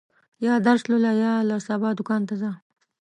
یا درس لوله، یا له سبا دوکان ته ځه.